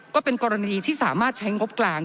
ก็เป็นกรณีที่สามารถใช้งบกลาง